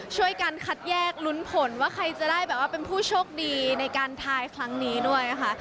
ช่วยกันคัดแยกลุ้นผลว่าใครจะได้แบบว่าเป็นผู้โชคดีในการทายครั้งนี้ด้วยค่ะ